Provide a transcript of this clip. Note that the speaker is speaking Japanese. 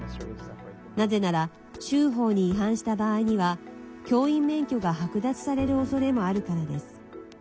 なぜなら州法に違反した場合には教員免許が剥奪されるおそれもあるからです。